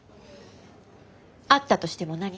あったとしても何？